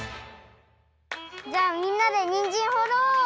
じゃあみんなでにんじんほろう！